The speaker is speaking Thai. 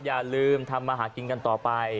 อย่าลืมทำมาหากินกันต่อไป